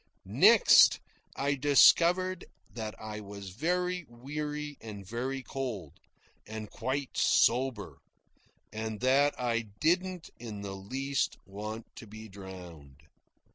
Next I discovered that I was very weary and very cold, and quite sober, and that I didn't in the least want to be drowned.